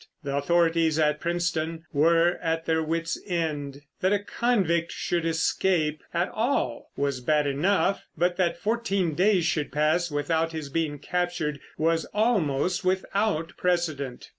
The authorities at Princetown were at their wits end. That a convict should escape at all was bad enough, but that fourteen days should pass without his being captured was almost without precedent.